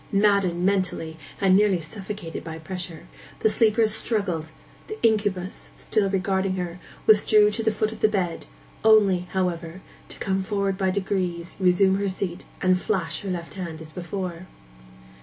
Maddened mentally, and nearly suffocated by pressure, the sleeper struggled; the incubus, still regarding her, withdrew to the foot of the bed, only, however, to come forward by degrees, resume her seat, and flash her left hand as before.